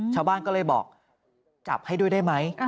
ชาวบ้านก็เลยบอกจับให้ด้วยได้ไหม